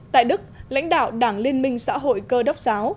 tại đức lãnh đạo đảng liên minh xã hội cơ đốc giáo